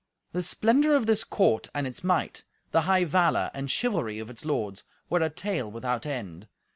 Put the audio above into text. The splendour of this court and its might, the high valour and chivalry of its lords, were a tale without end.